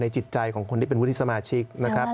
ในจิตใจของคนที่เป็นวุฒิสมาชิก